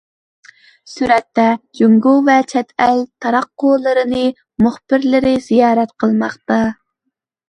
سۈرەتتە: جۇڭگو ۋە چەت ئەل تاراتقۇلىرىنىڭ مۇخبىرلىرى زىيارەت قىلماقتا.